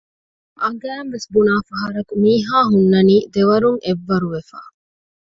އަނގައިވެސް ބުނާފަހަރަކު މީހާހުންނާނީ ދެވަރުން އެއްވަރު ވެފަ